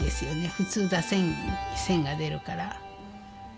普通出せん線が出るから。